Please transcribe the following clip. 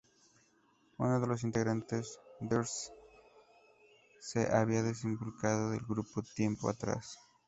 Uno de los integrantes, "Therese", se había desvinculado del grupo tiempo atrás.